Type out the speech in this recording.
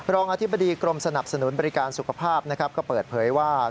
รองอธิบดีกรมสนับสนุนบริการสุขภาพนะครับก็เปิดเผยว่า